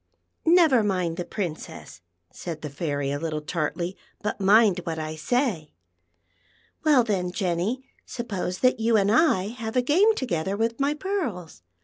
" Never mind the Princess," said the Fairy a little tartly; "but mind what I say. Well, then, Jenn\ , suppose that you and I have a game together with my pearls.